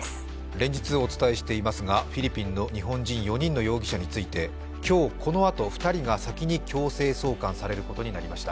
連日お伝えしていますがフィリピンの日本人４人の容疑者について今日、このあと２人が先に強制送還されることになりました。